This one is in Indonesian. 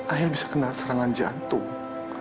ayah bisa kena serangan jantung